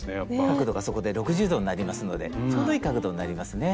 角度がそこで６０度になりますのでちょうどいい角度になりますね。